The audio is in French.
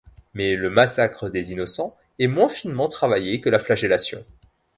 Mais le Massacre des Innocents est moins finement travaillé que la Flagellation.